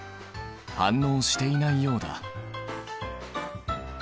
反応していないようだ。